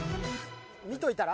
見といたら？